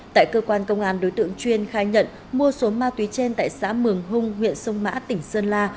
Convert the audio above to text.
tại cơ quan công an đối tượng chuyên khai nhận mua số ma túy trên tại xã mường hung huyện sông mã tỉnh sơn la